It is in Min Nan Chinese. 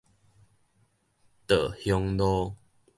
稻香路